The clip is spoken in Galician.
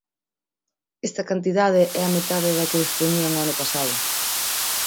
Esta cantidade é a metade da que dispoñían o ano pasado.